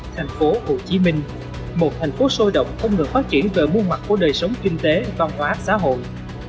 thành phố hồ chí minh một thành phố sôi động không ngừng phát triển về muôn mặt của đời sống kinh tế văn hóa xã hội